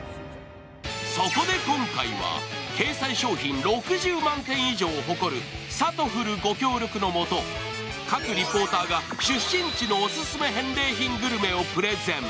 そこで今回は、掲載商品６０万点以上を誇る「さとふる」ご協力のもと、各リポーターが出身地のオススメ返礼品グルメをプレゼン。